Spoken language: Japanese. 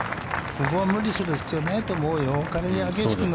ここは無理する必要ないと思うよ。